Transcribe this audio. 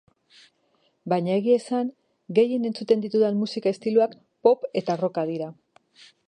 Baina egia esan gehien entzuten ditudan musika estiloak pop eta rocka dira.